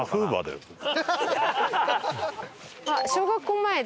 あっ小学校前だ！